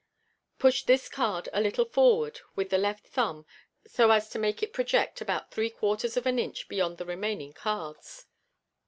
Push this card a little forward with the left thumb, so as to make it project about three quarters of an inch beyond the remaining cards.